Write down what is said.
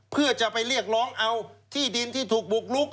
เพื่อจะไปเรียกร้องเอาที่ดินที่ถูกบุกลุก